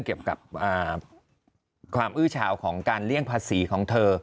เกี่ยวกับความอื้อเฉาของการเลี่ยงภาษีของเธอ